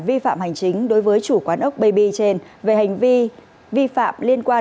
vi phạm hành chính đối với chủ quán ốc bb trên về hành vi vi phạm liên quan